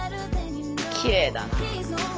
きれいだな。